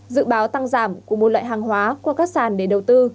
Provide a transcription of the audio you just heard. dự báo tăng giảm của một loại hàng hóa qua các sàn để đầu tư